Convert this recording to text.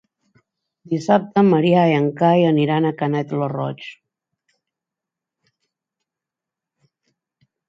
Dissabte en Maria i en Cai aniran a Canet lo Roig.